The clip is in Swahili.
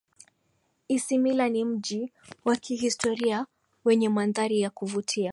isimila ni mji wa kihistoria wenye mandhari ya kuvutia